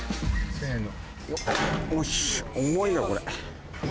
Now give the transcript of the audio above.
せの。